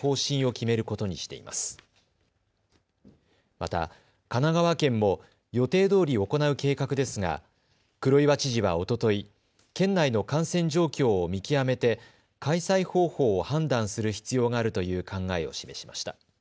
また、神奈川県も予定どおり行う計画ですが黒岩知事はおととい、県内の感染状況を見極めて開催方法を判断する必要があるという考えを示しました。